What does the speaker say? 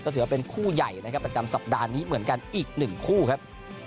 ถือว่าเป็นคู่ใหญ่นะครับประจำสัปดาห์นี้เหมือนกันอีกหนึ่งคู่ครับ